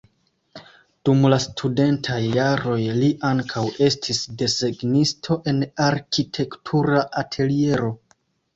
Dum la studentaj jaroj li ankaŭ estis desegnisto en arkitektura ateliero.